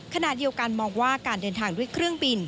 ขณะเดียวกันมองว่าการเดินทางด้วยเครื่องบิน